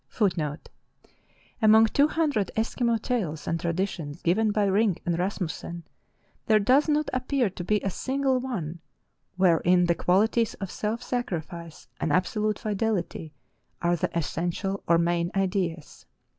*• Among f.vo hundred Eskimo tales and traditions given by Rink and Rasmusscn there does not appear to be a single one wherein the qualities of aelf sacrifice and absolute fidelity are the essential or main ideas.